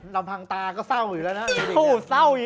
ลำพังตาก็เศร้าอยู่แล้วนะ